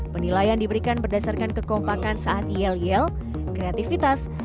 penilaian diberikan berdasarkan kekompakan saat yel yel kreativitas